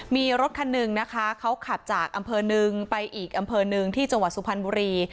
มีรถคันหนึ่งนะคะเขาขับจากอำเภอหนึ่งไปอีกอำเภอหนึ่งที่จังหวัดสุพรรณบุรี